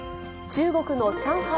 中国の上海